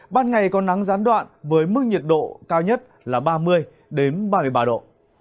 ban ngày có nắng gián đoạn với mức nhiệt độ cao nhất là ba mươi ba mươi ba độ